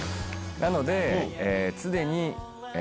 なので常に。